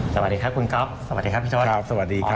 สวัสดีครับคุณก๊อฟสวัสดีครับพี่ชวัดสวัสดีครับ